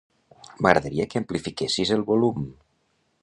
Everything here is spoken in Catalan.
M'agradaria que amplifiquessis el volum.